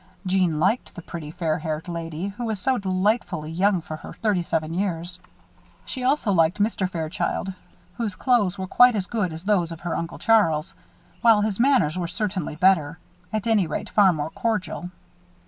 Jeanne liked the pretty, fair haired lady, who was so delightfully young for her thirty seven years. She also liked Mr. Fairchild child, whose clothes were quite as good as those of her Uncle Charles, while his manners were certainly better at any rate, far more cordial.